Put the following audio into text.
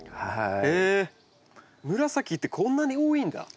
へえ紫ってこんなに多いんだ？